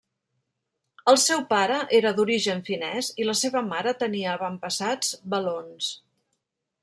El seu pare era d'origen finès i la seva mare tenia avantpassats valons.